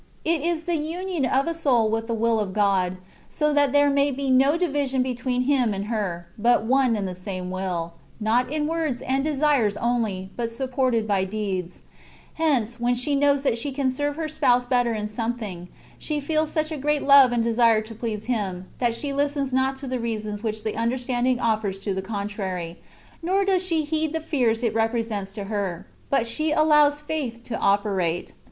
It is the union of a soul with the will of God, so that there may be no division between Him and her, but one and the same will, not in words and desires only, but supported by deeds ; hence, when she knows that she can serve her Spouse better in something, she feels such a great love and desire to please Him, that she listens not to the reasons which the understanding ofiPers to the contrary, nor does she heed the fears it repre sents to her; but she allows faith to operate.